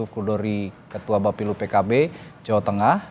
kuldori ketua bapilu pkb jawa tengah